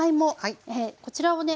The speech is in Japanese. こちらをね